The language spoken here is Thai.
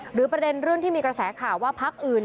ประเด็นเรื่องที่มีกระแสข่าวว่าพักอื่น